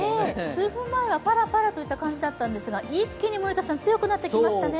数分前はパラパラといった感じだったんですが一気に強くなってきましたね。